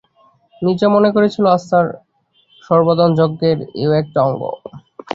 নীরজা মনে করেছিল, আজ তার সর্বদানযঞ্চের এও একটা অঙ্গ।